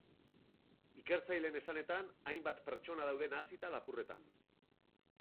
Ikertzaileen esanetan, hainbat pertsona daude nahasita lapurretan.